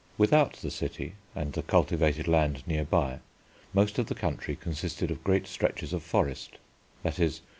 Without the city and the cultivated land near by most of the country consisted of great stretches of forest, _i.e.